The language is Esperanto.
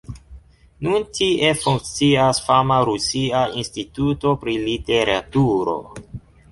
Nun tie funkcias fama rusia Instituto pri literaturo.